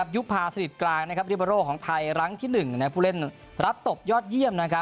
ยุภาสนิทกลางลิเบอร์โร่ของไทยครั้งที่๑ผู้เล่นรับตบยอดเยี่ยม